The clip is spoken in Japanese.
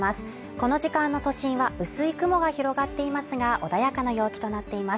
この時間の都心は薄い雲が広がっていますが、穏やかな陽気となっています。